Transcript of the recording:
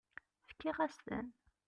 Fkiɣ-as-ten.